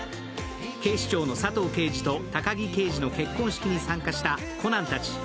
警視庁の佐藤刑事と高木刑事の結婚式に参加したコナンたち。